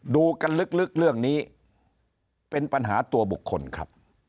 ดูกันลึกเรื่องนี้เป็นปัญหาตัวบุคคลครับ